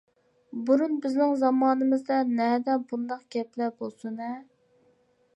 بۇرۇن بىزنىڭ زامانىمىزدا نەدە ئۇنداق گەپلەر بولسۇن ھە.